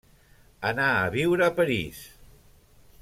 Anà a viure a París.